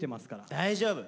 大丈夫！